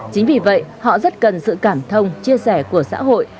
chính vì vậy họ rất cần sự cảm thông chia sẻ của xã hội